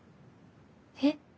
えっ？